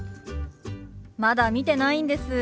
まだ見てないんです。